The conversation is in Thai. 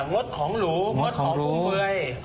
งดของหรูงดของฟุ่มเฟือย